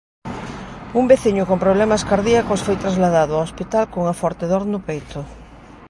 Un veciño con problemas cardíacos foi trasladado ao hospital cunha forte dor no peito.